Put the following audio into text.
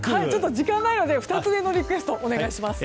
時間がないので２つ目のリクエストをお願いします。